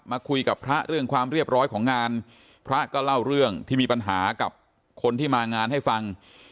มาคุยกับพระเรื่องความเรียบร้อยของงาน